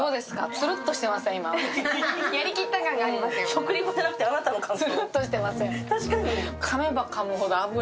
食リポでなくて、あなたの感想。